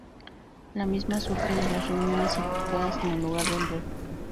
La misma surge de las reuniones efectuadas en el hogar del Rev.